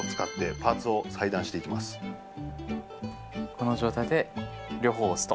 この状態で両方押すと。